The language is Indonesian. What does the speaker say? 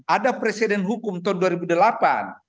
ada presiden hukum tahun dua ribu delapan